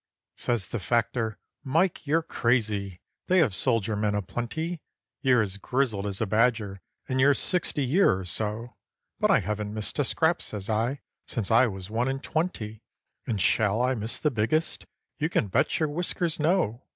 Says the factor: "Mike, you're crazy! They have soldier men a plenty. You're as grizzled as a badger, and you're sixty year or so." "But I haven't missed a scrap," says I, "since I was one and twenty. And shall I miss the biggest? You can bet your whiskers no!"